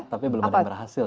tapi belum ada yang berhasil